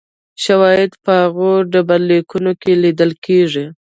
شواهد په هغو ډبرلیکونو کې لیدل کېږي